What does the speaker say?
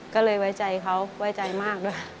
ก็เลยไว้ใจเขาไว้ใจมากด้วย